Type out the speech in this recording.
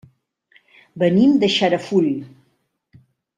Venim de Xarafull.